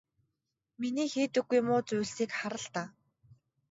Миний хийдэггүй муу зүйлсийг хар л даа.